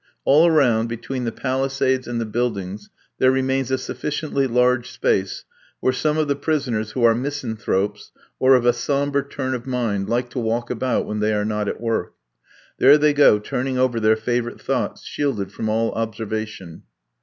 All around, between the palisades and the buildings there remains a sufficiently large space, where some of the prisoners who are misanthropes, or of a sombre turn of mind, like to walk about when they are not at work. There they go turning over their favourite thoughts, shielded from all observation.